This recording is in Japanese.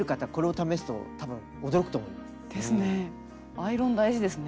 アイロン大事ですね。